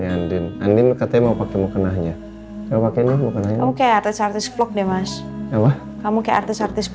andi andi mau pakai mau kenanya oke artis artis vlog deh mas kamu artis artis